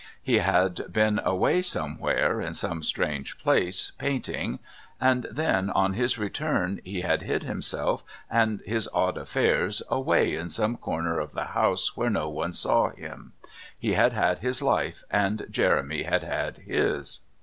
He had been away somewhere, in some strange place, painting, and then, on his return, he had hid himself and his odd affairs away in some corner of the house where no one saw him. He had had his life and Jeremy had had his.